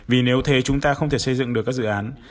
vì nếu thế chúng ta không thể xây dựng được các dự án